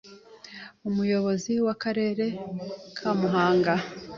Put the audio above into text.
Umuyobozi w’Akarere ka Muhanga